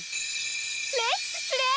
レッツプレイ！